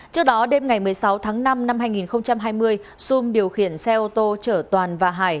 trước đó đêm ngày một mươi sáu tháng năm năm hai nghìn hai mươi xum điều khiển xe ô tô chở toàn và hải